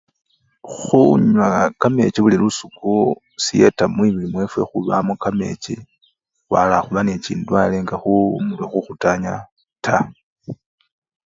Khunywa kamechi buli lusuku, siyeta mwibili mwefwe khubamo kamechi khwala khuba nende chindwale nga khumurwe khukhutanya taa.